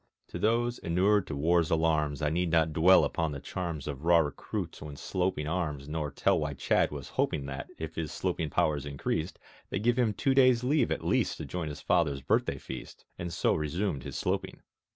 To those inured to war's alarms I need not dwell upon the charms Of raw recruits when sloping arms, Nor tell why Chadd was hoping That, if his sloping powers increased, They'd give him two days' leave at least To join his Father's birthday feast ... And so resumed his sloping.